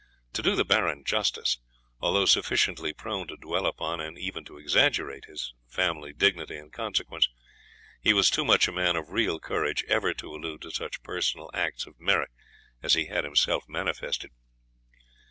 To do the Baron justice, although sufficiently prone to dwell upon, and even to exaggerate, his family dignity and consequence, he was too much a man of real courage ever to allude to such personal acts of merit as he had himself manifested.